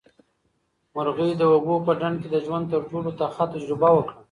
مرغۍ د اوبو په ډنډ کې د ژوند تر ټولو تخه تجربه وکړه.